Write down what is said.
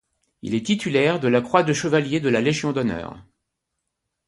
Il est titulaire de la Croix de Chevalier de la Légion d’Honneur.